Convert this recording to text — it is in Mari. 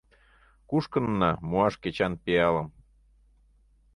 Кушкынна муаш кечан пиалым.